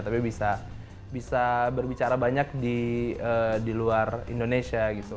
tapi bisa berbicara banyak di luar indonesia gitu